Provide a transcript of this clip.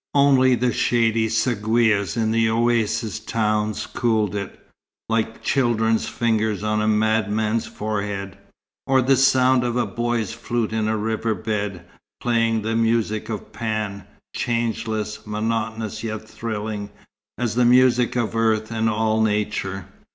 Only the shady seguias in the oasis towns cooled it, like children's fingers on a madman's forehead; or the sound of a boy's flute in a river bed, playing the music of Pan, changeless, monotonous yet thrilling, as the music of earth and all Nature.